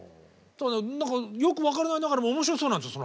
何かよく分からないながらも面白そうなんですよ